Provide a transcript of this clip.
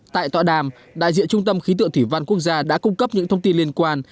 tại tọa đàm đại diện trung tâm khí tượng thủy văn quốc gia đã cung cấp những thông tin liên quan